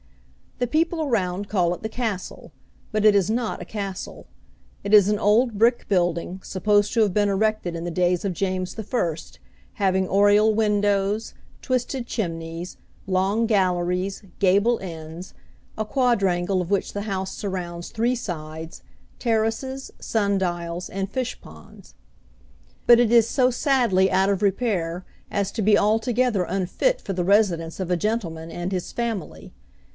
The people around call it the Castle, but it is not a castle. It is an old brick building supposed to have been erected in the days of James the First, having oriel windows, twisted chimneys, long galleries, gable ends, a quadrangle of which the house surrounds three sides, terraces, sun dials, and fish ponds. But it is so sadly out of repair as to be altogether unfit for the residence of a gentleman and his family.